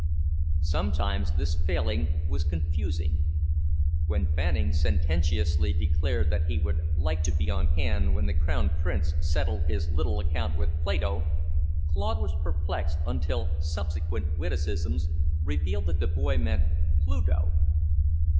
Sometimes this failing was confusing; when Fanning sententiously declared that he would like to be on hand when the Crown Prince settled his little account with Plato, Claude was perplexed until subsequent witticisms revealed that the boy meant Pluto.